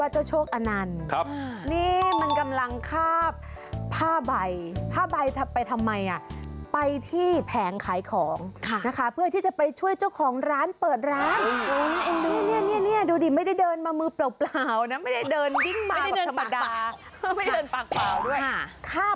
ทำง่ายไปดูเลยค่ะ